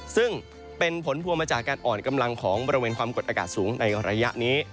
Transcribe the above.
ซึ่งเป็นผลพวงมาจากการอ่อนกำลังของบริเวณความกดอากาศสูงในระยะนี้